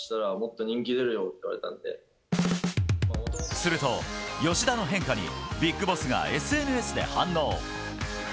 すると、吉田の変化にビッグボスがＳＮＳで反応。